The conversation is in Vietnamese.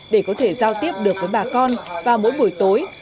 để có thể giao tiếp được với bà con vào mỗi buổi tối